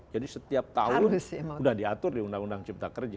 jadi setiap tahun sudah diatur di undang undang cipta kerja